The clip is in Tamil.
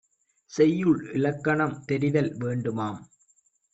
செய்யுள் இலக்கணம் தெரிதல் வேண்டுமாம்!